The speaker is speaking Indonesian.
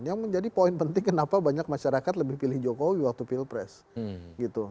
yang menjadi poin penting kenapa banyak masyarakat lebih pilih jokowi waktu pilpres gitu